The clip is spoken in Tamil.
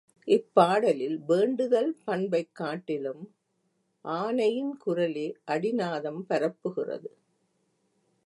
இப்பாடலில் வேண்டுதல் பண்பைக் காட்டிலும், ஆணையின் குரலே அடிநாதம் பரப்புகிறது.